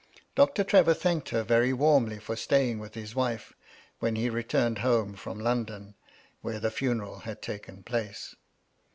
Doctor Trevor thanked her very warmly for staying with his wife, when he returned home from London (where the funeral had taken place).